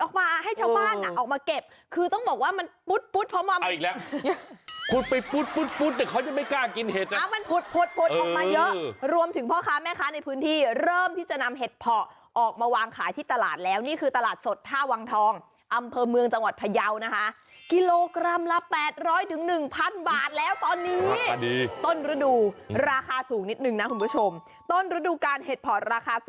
โอ้โหคุณทรัพย์ในดินที่แท้จริง